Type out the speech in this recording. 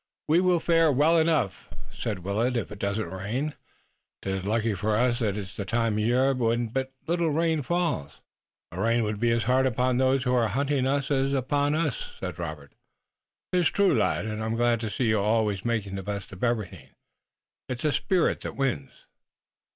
"We will fare well enough," said Willet, "if it doesn't rain. 'Tis lucky for us that it's the time of year when but little rain falls." "But rain would be as hard upon those who are hunting us as upon us," said Robert. "'Tis true, lad, and I'm glad to see you always making the best of everything. It's a spirit that wins."